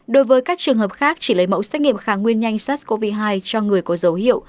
đối với các trường hợp khác chỉ lấy mẫu xét nghiệm kháng nguyên nhanh sars cov hai cho người có dấu hiệu